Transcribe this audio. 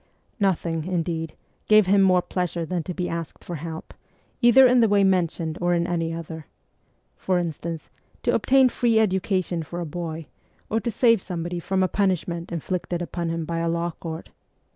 Nothing, indeed, gave him more pleasure than to be asked for help, either in the way mentioned or in any other : for instance, to obtain free education for a boy ? or to save somebody from a punishment inflicted upon him by a law court.